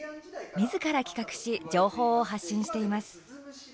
みずから企画し情報を発信しています。